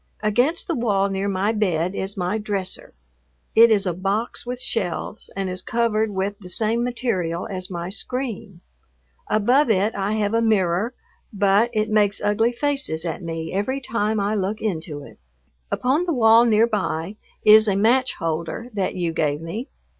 Against the wall near my bed is my "dresser." It is a box with shelves and is covered with the same material as my screen. Above it I have a mirror, but it makes ugly faces at me every time I look into it. Upon the wall near by is a match holder that you gave me.